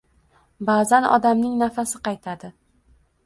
Ba'zan odamning nafasi qaytadi.